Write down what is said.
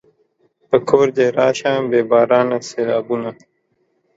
په کور دې راشه بې بارانه سېلابونه